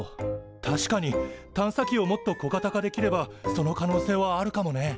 確かに探査機をもっと小型化できればその可能性はあるかもね。